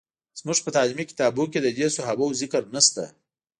زموږ په تعلیمي کتابونو کې د دې صحابه وو ذکر نشته.